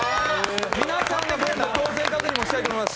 皆さんで当選確認したいと思います。